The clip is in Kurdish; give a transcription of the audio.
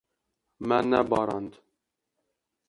Me nebarand.